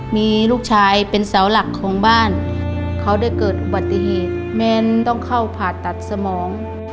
มีลูกชายเป็นเสาหลักของบ้านเขาได้เกิดอุบัติเหตุแมนต้องเข้าผ่าตัดสมอง